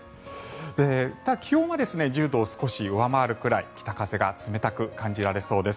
ただ気温は１０度を少し上回るぐらい北風が冷たく感じそうです。